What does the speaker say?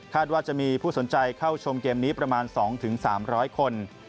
ว่าจะมีผู้สนใจเข้าชมเกมนี้ประมาณ๒๓๐๐คน